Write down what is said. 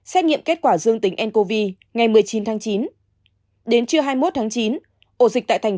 xét nghiệm kết quả dương tính ncov ngày một mươi chín tháng chín đến trưa hai mươi một tháng chín